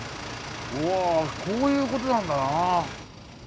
うわこういうことなんだな。